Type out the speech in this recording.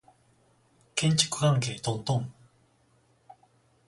建築関係トントン